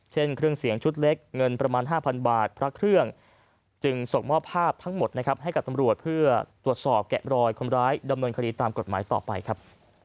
เครื่องเสียงชุดเล็กเงินประมาณ๕๐๐บาทพระเครื่องจึงส่งมอบภาพทั้งหมดนะครับให้กับตำรวจเพื่อตรวจสอบแกะรอยคนร้ายดำเนินคดีตามกฎหมายต่อไปครับ